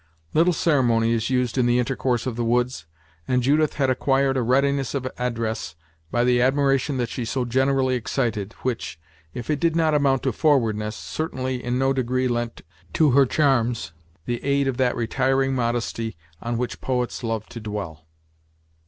Little ceremony is used in the intercourse of the woods; and Judith had acquired a readiness of address, by the admiration that she so generally excited, which, if it did not amount to forwardness, certainly in no degree lent to her charms the aid of that retiring modesty on which poets love to dwell.